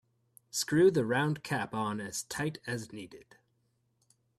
Screw the round cap on as tight as needed.